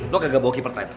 lo kagak bogi pertanian